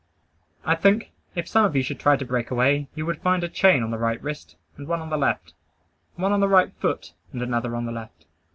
I think, if some of you should try to break away, you would find a chain on the right wrist, and one on the left; one on the right foot, and another on the left.